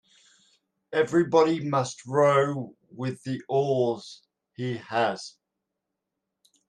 Everybody must row with the oars he has.